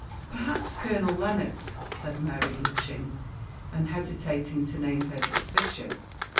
"Perhaps Colonel Lennox," said Mary, blushing, and hesitating to name her suspicion.